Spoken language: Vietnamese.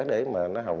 để mà nó hồng